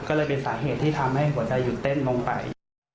ก็เลยเป็นสาเหตุที่ทำให้หัวใจหยุดเต้นลงไป